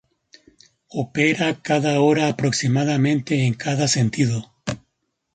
Opera cada hora aproximadamente en cada sentido.